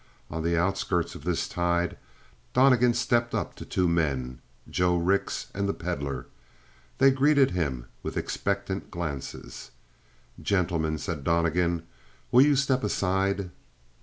On the outskirts of this tide, Donnegan stepped up to two men, Joe Rix and the Pedlar. They greeted him with expectant glances. "Gentlemen," said Donnegan, "will you step aside?"